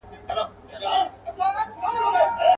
باور نسته یو په بل، سره وېریږي.